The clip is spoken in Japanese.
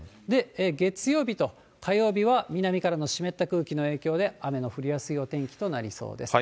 月曜日と火曜日は南からの湿った空気の影響で、雨の降りやすいお天気となりそうです。